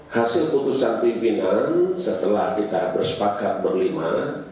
hasil putusan pimpinan setelah kita bersepakat berlima